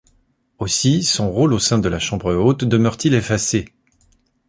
Aussi, son rôle au sein de la Chambre haute demeure-t-il effacé.